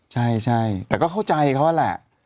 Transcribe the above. ใช่แต่ก็เข้าใจเขาแหละ